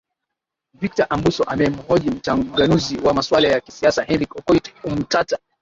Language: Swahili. victor ambuso amemhoji muchanganuzi wa maswali ya kisiasa henry okoit omutata